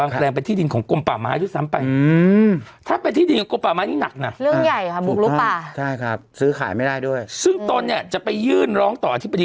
เกาะดอนอ่ะ